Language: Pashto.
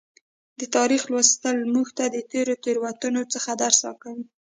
د تاریخ لوستل موږ ته د تیرو تیروتنو څخه درس راکوي.